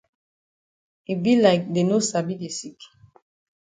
E be like dey no sabi de sick.